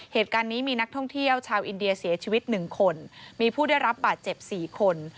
เหตุการณ์นี้มีนักท่องเที่ยวชาวอินเดียเสียชีวิตหนึ่งคนมีผู้ได้รับบาดเจ็บ๔คน